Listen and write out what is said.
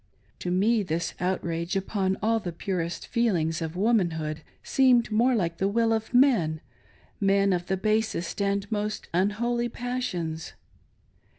To me, this outrage upon all the purest feelings of womanhood seemed more like the will of men — men of the basest and most unholy passions.